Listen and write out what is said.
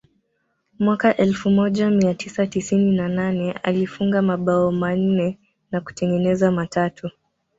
Mwaka elfu moja mia tisa tisini na nane alifunga mabao manne na kutengeneza matatu